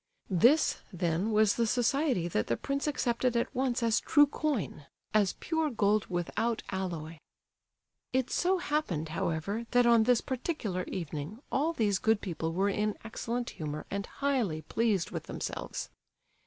This, then, was the society that the prince accepted at once as true coin, as pure gold without alloy. It so happened, however, that on this particular evening all these good people were in excellent humour and highly pleased with themselves.